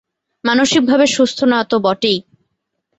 মানসিকভাবে সুস্থ না তো বটেই।